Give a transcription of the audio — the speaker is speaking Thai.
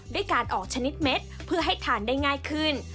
ด้วยการออกชนิดเม็ดเพื่อให้ทานได้ง่ายขึ้น